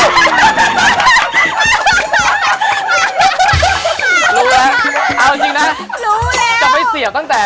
พี่เจ